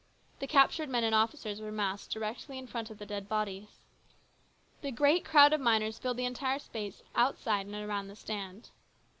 The captured men and officers were massed directly in front of the dead bodies. The great crowd of miners filled the entire space outside and around the stand.